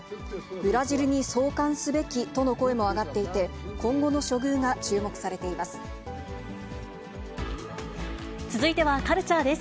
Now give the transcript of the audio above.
ブラジルに送還すべきとの声も上がっていて、今後の処遇が注目さ続いてはカルチャーです。